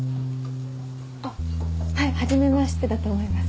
あっはいはじめましてだと思います。